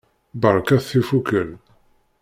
Berkat tifukal!